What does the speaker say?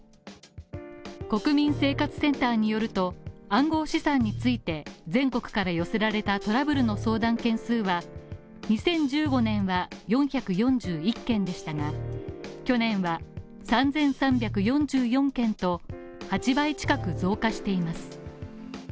国民生活センターによると、暗号資産について、全国から寄せられたトラブルの相談件数は、２０１５年は４４１件でしたが、去年は３３４４件と８倍近く増加しています。